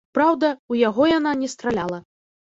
Праўда, у яго яна не страляла.